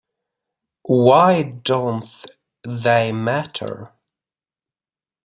Why don't they matter?